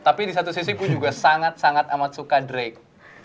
tapi di satu sisi aku juga sangat sangat amat suka drake